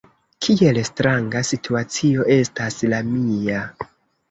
Kiel stranga situacio estas la mia.